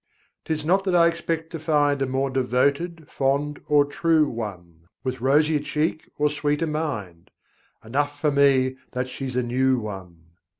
'Tis not that I expect to find A more devoted, fond and true one, With rosier cheek or sweeter mind Enough for me that she's a new one.